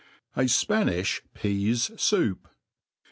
J Spanijh Peas Soup.